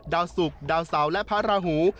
ดาวสุกดาวเสาและพระราหู